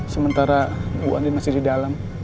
sementara bu andi masih di dalam